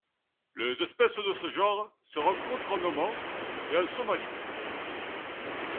Les espèces de ce genre se rencontrent en Oman et en Somalie.